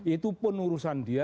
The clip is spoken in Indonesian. itu penurusan dia